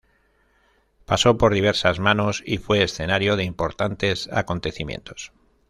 Pasó por diversas manos y fue escenario de importantes acontecimientos.